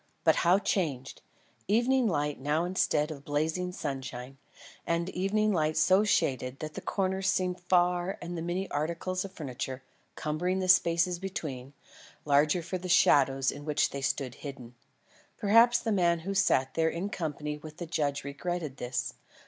but how changed! Evening light now instead of blazing sunshine; and evening light so shaded that the corners seemed far and the many articles of furniture, cumbering the spaces between, larger for the shadows in which they stood hidden. Perhaps the man who sat there in company with the judge regretted this.